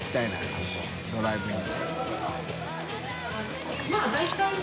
ここドライブイン。